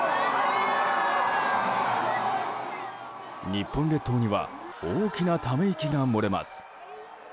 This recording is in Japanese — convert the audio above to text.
日本列島には大きなため息が漏れます。